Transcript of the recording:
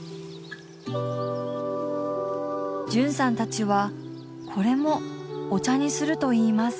絢さんたちはこれもお茶にするといいます。